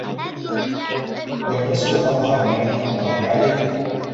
وَالْبَسُوا تَظْهَرْ نِعْمَةُ اللَّهِ عَلَيْكُمْ